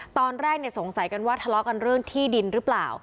ตอนแรกสงสัยกันว่าทะเลาะกันเรื่องที่ดินหรือเปล่า